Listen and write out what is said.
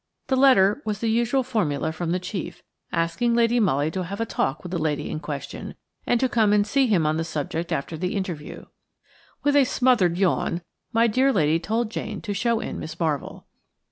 The letter was the usual formula from the chief, asking Lady Molly to have a talk with the lady in question, and to come and see him on the subject after the interview. With a smothered yawn my dear lady told Jane to show in Miss Marvell.